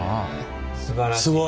すばらしい。